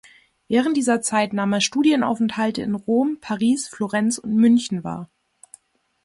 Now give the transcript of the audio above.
Während dieser Zeit nahm er Studienaufenthalte in Rom, Paris, Florenz und München wahr.